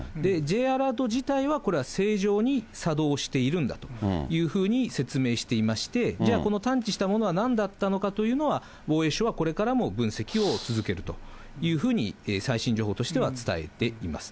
Ｊアラート自体はこれは正常に作動しているんだというふうに説明していまして、じゃあ、この探知したものはなんだったのかというのは、防衛省はこれからも分析を続けるというふうに、最新情報としては伝えています。